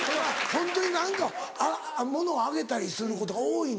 ホントに何か物をあげたりすることが多いんだ？